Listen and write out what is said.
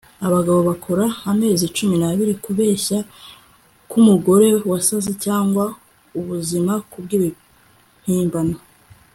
Abagabo bakora amezi cumi nabiri kubeshya kumugore wasaze cyangwa Ubuzima kubwimpimbano